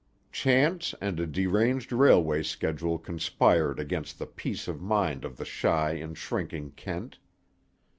Chance and a deranged railway schedule conspired against the peace of mind of the shy and shrinking Kent.